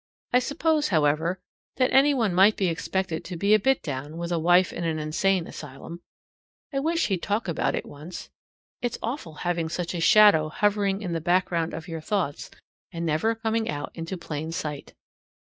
I suppose, however, that any one might be expected to be a bit down with a wife in an insane asylum. I wish he'd talk about it once. It's awful having such a shadow hovering in the background of your thoughts and never coming out into plain sight.